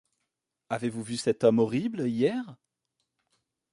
Avez-vous vu cet homme horrible hier ?